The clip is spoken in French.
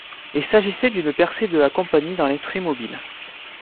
Il s'agissait d'une percée de la compagnie dans l'industrie mobile.